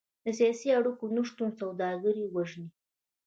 د سیاسي اړیکو نشتون سوداګري وژني.